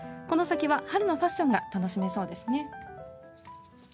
この先は春のファッションが楽しめそうですね。